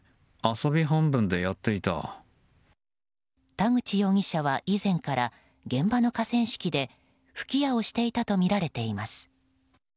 田口容疑者は以前から現場の河川敷で吹き矢をしていたとみられています。